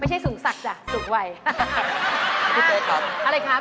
ไม่ใช่สูงตรงยกสักเจ้าสูงวาย